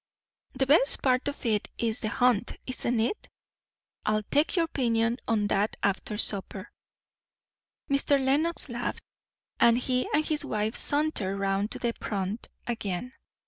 "The best part of it is the hunt, isn't it?" "I'll take your opinion on that after supper." Mr. Lenox laughed, and he and his wife sauntered round to the front again.